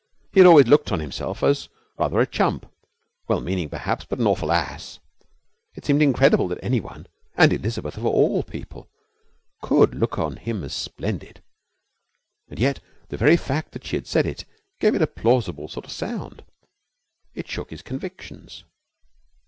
He had always looked on himself as rather a chump well meaning, perhaps, but an awful ass. It seemed incredible that any one and Elizabeth of all people could look on him as splendid. And yet the very fact that she had said it gave it a plausible sort of sound. It shook his convictions.